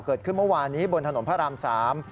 เกิดขึ้นเมื่อวานนี้บนถนนพระราม๓